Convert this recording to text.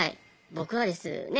僕はですね